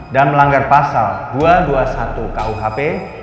dan melanggar pasal dua ratus dua puluh satu kuhp